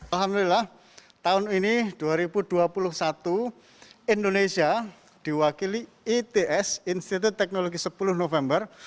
alhamdulillah tahun ini dua ribu dua puluh satu indonesia diwakili its institut teknologi sepuluh november